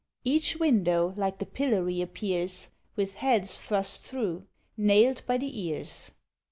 Each WINDOW like the PILLORY appears, With HEADS thrust through: NAILED BY THE EARS!